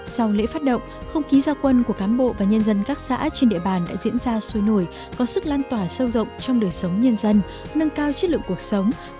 sau lễ phát động không khí gia quân của cám bộ và nhân dân các xã trên địa bàn đã diễn ra sôi nổi có sức lan tỏa sâu rộng trong đời sống nhân dân nâng cao chất lượng cuộc sống